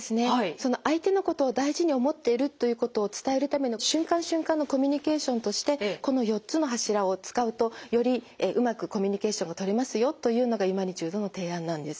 その相手のことを大事に思っているということを伝えるための瞬間瞬間のコミュニケーションとしてこの４つの柱を使うとよりうまくコミュニケーションが取れますよというのがユマニチュードの提案なんです。